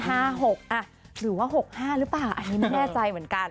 หรือว่า๖๕หรือเปล่าอันนี้ไม่แน่ใจเหมือนกัน